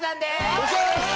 よろしくお願いします！